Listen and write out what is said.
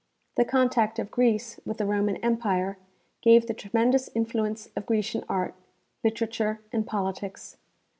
The contact of Greece with the Roman empire gave the tremendous influence of Grecian art, literature and politics.